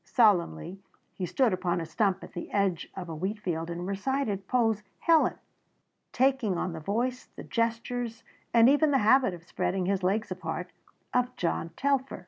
Solemnly he stood upon a stump at the edge of a wheatfield and recited Poe's "Helen," taking on the voice, the gestures and even the habit of spreading his legs apart, of John Telfer.